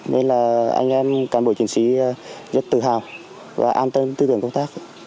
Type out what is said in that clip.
nên là anh em cán bộ chiến sĩ rất tự hào và an tâm tư tưởng công tác